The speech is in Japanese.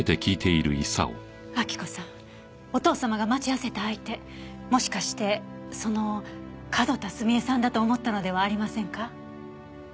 明子さんお父様が待ち合わせた相手もしかしてその角田澄江さんだと思ったのではありませんか？